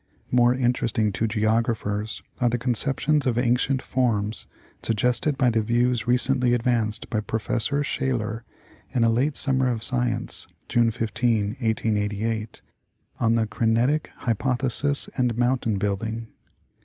More interesting to Geographers are the conceptions of ancient forms suggested by the views recently advanced by Prof. Shaler in a late number of Science (June 15, 1888), on "The Crenitic Hypothesis and Mountain Building."